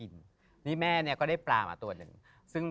พี่ยังไม่ได้เลิกแต่พี่ยังไม่ได้เลิก